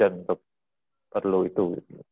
urgent untuk perlu itu